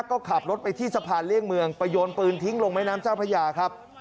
ก็ขับรถไปที่สะพานเลี่ยงเมืองไปโยนปืนทิ้งลงแม่น้ำเจ้าพระยาครับ